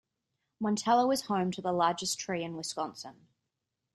Montello is home to the largest tree in Wisconsin.